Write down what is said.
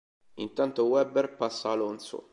Intanto Webber passa Alonso.